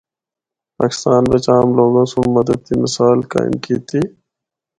پاکستان بچ عام لوگاں سنڑ مدد دی مثال قائم کیتی۔